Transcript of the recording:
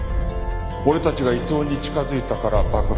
俺たちが伊藤に近づいたから爆破した。